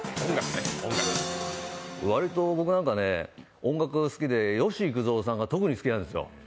割と僕なんかね、音楽が好きで、吉幾三さんが特に好きなんですよ。